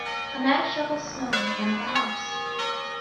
A man shovels snow in front of a house.